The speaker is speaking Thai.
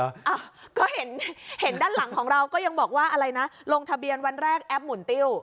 อ้าวก็เห็นเห็นด้านหลังของเราก็ยังบอกว่าอะไรนะลงทะเบียนวันแรกแอปหมุนติ้ว